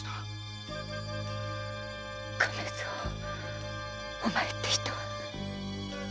亀蔵お前って人は。